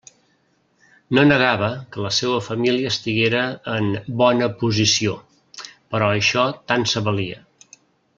No negava que la seua família estiguera en «bona posició»; però això tant se valia!